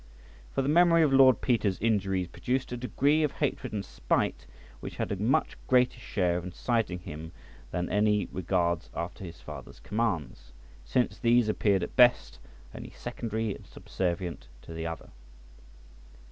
For the memory of Lord Peter's injuries produced a degree of hatred and spite which had a much greater share of inciting him than any regards after his father's commands, since these appeared at best only secondary and subservient to the other.